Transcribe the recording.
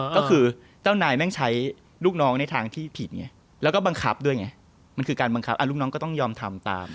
ก็คือเจ้านายแม่งใช้ลูกน้องในทางที่ผิดไงแล้วก็บังคับด้วยไงมันคือการบังคับลูกน้องก็ต้องยอมทำตาม